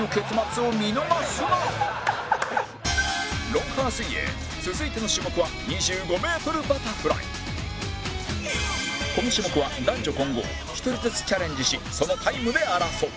ロンハー水泳続いての種目はこの種目は男女混合１人ずつチャレンジしそのタイムで争う